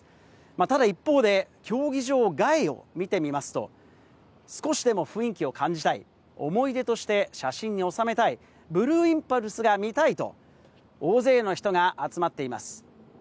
ただ一方で競技場外を見てみますと、少しでも雰囲気を感じたい、思い出として写真に収めたい、ブルーインパルスが見たいと大勢の人が集まっています。